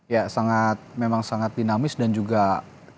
ya memang sangat dinamis dan juga cuaca berubah